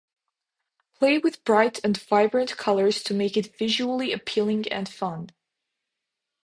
Play with bright and vibrant colors to make it visually appealing and fun.